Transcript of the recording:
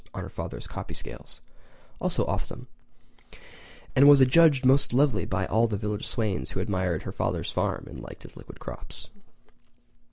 on her father's copy scales—also off them—and was adjudged most lovely by all the village swains who admired her father's farm and liked his liquid crops.